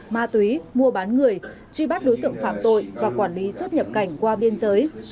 ma túy mua bán người truy bắt đối tượng phạm tội và quản lý xuất nhập cảnh qua biên giới